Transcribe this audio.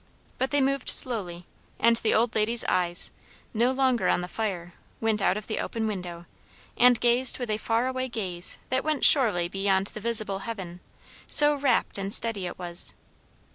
But they moved slowly; and the old lady's eyes, no longer on the fire, went out of the open window, and gazed with a far away gaze that went surely beyond the visible heaven; so wrapt and steady it was.